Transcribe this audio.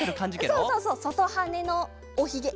そうそうそうそとはねのおひげ。